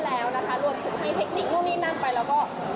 แต่ว่าแอลเป็นคนที่มีความมุ่งมั่นตั้งใจมาก